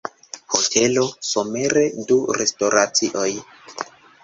Hotelo, Somere du restoracioj.